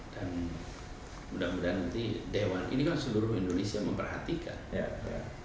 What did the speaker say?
dan mudah mudahan nanti dewan ini kan seluruh indonesia memperhatikan